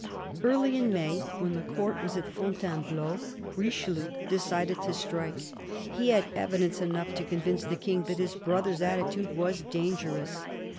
Early in May, when the Court was at Fontainebleau, Richelieu decided to strike ; he had evidence enough to convince the King that his brother's attitude was danger ous.